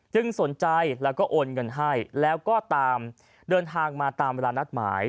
สนใจแล้วก็โอนเงินให้แล้วก็ตามเดินทางมาตามเวลานัดหมาย